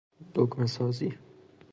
دگمه سازی